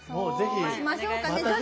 そうしましょうかね。